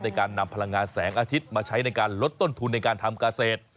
ในการนำพลังงานแสงอาทิตย์มาใช้ในการลดต้นทุนในการทำเกษตร